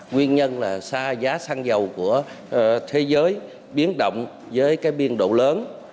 nguyên nhân là xa giá xăng dầu của thế giới biến động với cái biên độ lớn